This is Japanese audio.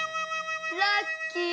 ラッキー！